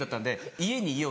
『家にいよう』。